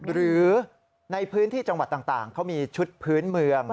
หรือในพื้นที่จังหวัดต่างเขามีชุดพื้นเมือง